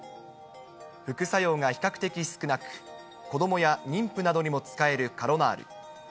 副作用が比較的少なく、子どもや妊婦などにも使えるカロナール。